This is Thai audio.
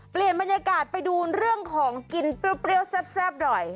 เปลี่ยนบรรยากาศไปดูเรื่องของกินเปรี้ยวแซ่บหน่อย